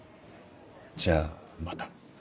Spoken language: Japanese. じゃあまた。